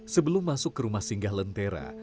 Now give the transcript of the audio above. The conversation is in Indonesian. sebelum masuk ke rumah singgah lentera